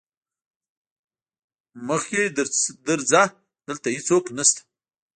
مخکې درځه دلته هيڅوک نشته.